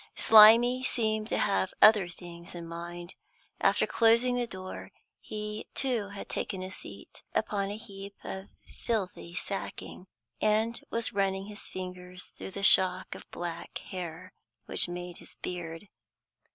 Slimy seemed to have other things in mind. After closing the door, he too had taken a seat, upon a heap of filthy sacking, and was running his fingers through the shock of black hair which made his beard.